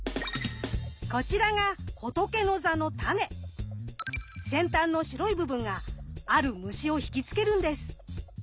こちらが先端の白い部分がある虫を引き付けるんです。